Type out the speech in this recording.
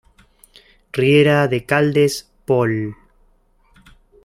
Riera de Caldes, Pol.